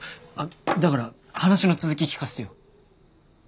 だから話の続き聞かせてよ。